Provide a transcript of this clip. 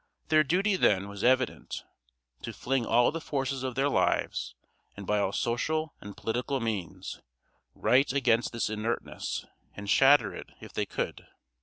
Their duty, then, was evident: to fling all the forces of their lives, and by all social and political means, right against this inertness, and shatter it if they could.